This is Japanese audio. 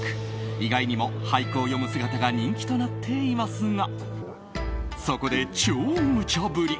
意外にも俳句を詠む姿が人気となっていますがそこで超むちゃ振り。